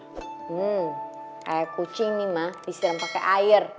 hmm kayak kucing nih ma disiram pake air